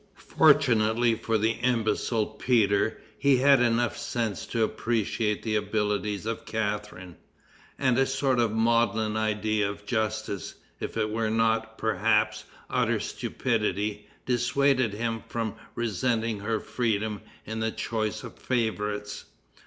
Fortunately for the imbecile Peter, he had enough sense to appreciate the abilities of Catharine; and a sort of maudlin idea of justice, if it were not, perhaps, utter stupidity, dissuaded him from resenting her freedom in the choice of favorites.